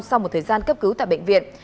sau một thời gian cấp cứu tại bệnh viện